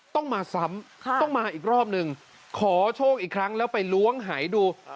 ต้องมาซ้ำต้องมาอีกรอบหนึ่งขอโชคอีกครั้งแล้วไปล้วงหายดู